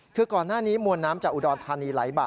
คือก่อนหน้านี้มวลน้ำจากอุดรธานีไหลบ่า